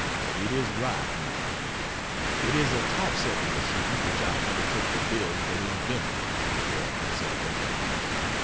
It is ripe, now. It is a type setting machine which I undertook to build for the inventor (for a consideration).